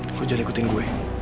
kamu jangan ikutin gue